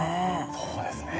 そうですね。